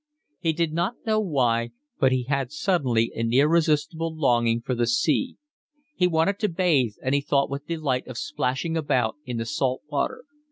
He did not know why, but he had suddenly an irresistible longing for the sea. He wanted to bathe, and he thought with delight of splashing about in the salt water.